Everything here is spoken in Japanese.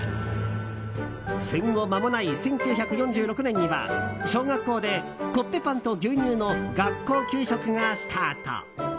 戦後まもない１９４６年には小学校でコッペパンと牛乳の学校給食がスタート。